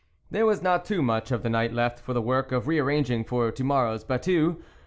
There was not too much of the night left for the work of re arranging for the morrow's battue.